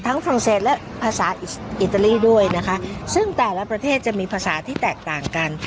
ฝรั่งเศสและภาษาอิตาลีด้วยนะคะซึ่งแต่ละประเทศจะมีภาษาที่แตกต่างกัน